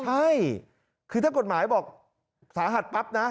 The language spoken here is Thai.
ใช่คือถ้ากฎหมายบอกสาหัสปั๊บนะ